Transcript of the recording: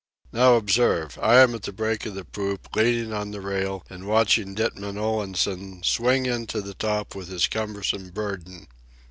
Now observe. I am at the break of the poop, leaning on the rail and watching Ditman Olansen swing into the top with his cumbersome burden.